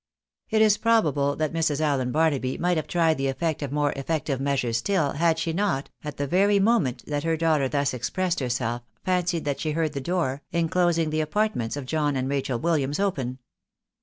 It is probable that Mrs. Allen Barnaby might Q 2 260 THE BAENABYS ITT AMEETCA. have tried the effect of more effective measures still, had she not, at the very moment that her daughter thus expre&sed herself, fancied that she heard the door, inclosing the apartments of John and Rachel Williams, open.